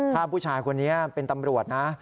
ถ้าผู้ชายคนนี้เป็นตำรวจนะ